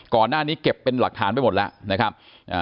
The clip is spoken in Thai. ก่อนหน้านี้เก็บเป็นหลักฐานไปหมดแล้วนะครับอ่า